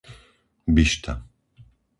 Byšta